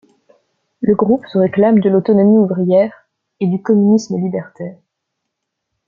Le groupe se réclame de l'autonomie ouvrière et du communisme libertaire.